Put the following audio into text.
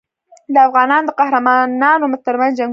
د افغانانو د قهرمانانو ترمنځ جنګونه.